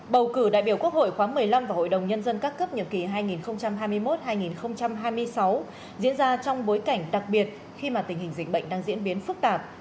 bầu cử đại biểu quốc hội khóa một mươi năm và hội đồng nhân dân các cấp nhiệm kỳ hai nghìn hai mươi một hai nghìn hai mươi sáu diễn ra trong bối cảnh đặc biệt khi mà tình hình dịch bệnh đang diễn biến phức tạp